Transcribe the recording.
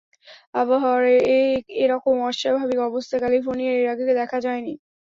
আবহাওয়ার এরকম অস্বাভাবিক অবস্থা ক্যালিফোর্নিয়ায় এর আগে দেখা যায়নি।